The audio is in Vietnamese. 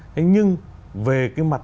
thế nhưng về cái mặt